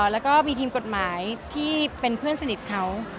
แล้วก็มีทีมกฎหมายที่เป็นเพื่อนสนิทเขา